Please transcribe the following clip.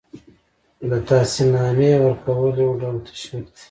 د تحسین نامې ورکول یو ډول تشویق دی.